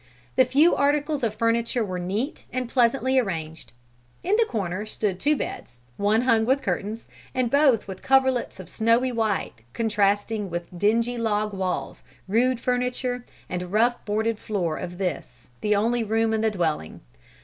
The few articles of furniture were neat and pleasantly arranged. In the corner stood two beds, one hung with curtains, and both with coverlets of snowy white, contrasting with the dingy log walls, rude furniture, and rough boarded floor of this, the only room in the dwelling.